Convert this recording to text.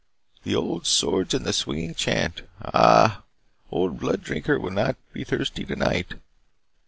The old swords and the swinging chant. Ah, Old Blood Drinker will not be thirsty tonight.